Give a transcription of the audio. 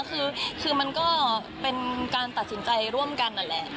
คือมันก็เป็นการตัดสินใจร่วมกันนั่นแหละ